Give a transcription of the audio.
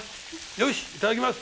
よしいただきます。